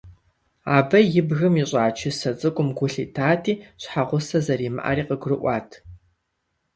Абы и бгым ищӀа чысэ цӀыкӀум гу лъитати, щхьэгъусэ зэримыӀэри къыгурыӀуат.